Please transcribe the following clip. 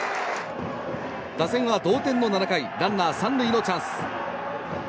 打線は同点の７回ランナー３塁のチャンス。